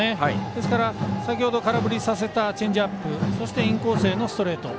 ですから、先ほど空振りさせたチェンジアップそしてインコースへのストレート